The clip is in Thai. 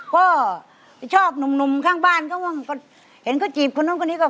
ก็ชอบหนุ่มข้างบ้านก็เห็นก็จีบคนนั้นคนนี้ก็